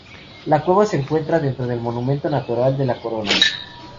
La cueva se encuentra dentro del Monumento Natural de La Corona.